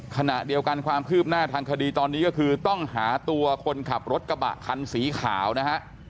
ขณะเดียวกันความคืบหน้าทางคดีตอนนี้ก็คือต้องหาตัวคนขับรถกระบะคันสีขาวนะฮะ